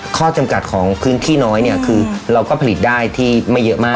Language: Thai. ข้อจำกัดของพื้นที่น้อยเนี่ยคือเราก็ผลิตได้ที่ไม่เยอะมาก